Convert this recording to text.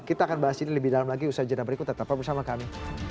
kita akan bahas ini lebih dalam lagi usaha jadwal berikut tetap bersama kami